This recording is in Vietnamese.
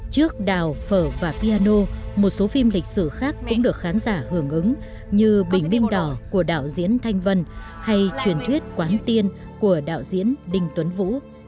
trước đào phở và piano một số phim lịch sử khác cũng được khán giả hưởng ứng như bình minh đỏ của đạo diễn thanh vân hay truyền thuyết quán tiên của đạo diễn đinh tuấn vũ